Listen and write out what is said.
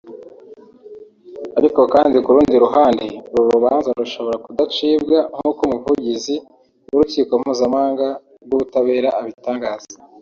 Ariko kandi ku rundi ruhande uru rubanza rushobora kudacibwa nkuko Umuvugizi w’Urukiko Mpuzamahanga rw’Ubutabera abitangaza